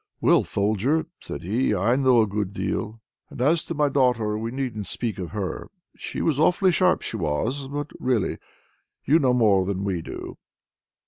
"Well, Soldier!" said he, "I know a good deal! and as to my daughter, we needn't speak of her. She was awfully sharp, she was! But, really, you know more than we do!"